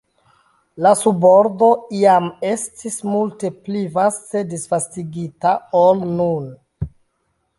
La subordo iam estis multe pli vaste disvastigita ol nun.